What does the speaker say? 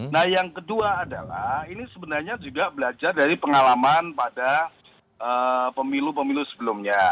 nah yang kedua adalah ini sebenarnya juga belajar dari pengalaman pada pemilu pemilu sebelumnya